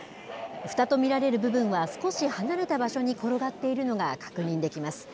ふたと見られる部分は、少し離れた場所に転がっているのが確認できます。